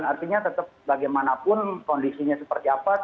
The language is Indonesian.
artinya tetap bagaimanapun kondisinya seperti apa